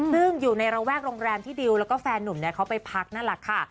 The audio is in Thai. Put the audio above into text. ซึ่งอยู่ในระแวกโรงแรมที่ดิวแล้วก็แฟนหนุ่มเขาไปพักนั่นแหละค่ะ